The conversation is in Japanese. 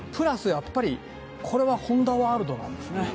やっぱりこれは本田ワールドなんですね